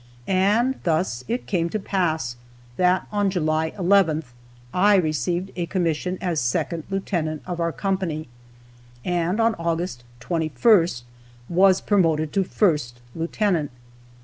And thus it came to pass that on July 11th I received a commission as second lieutenant of our company, and on August 21st was promoted to first lieutenant.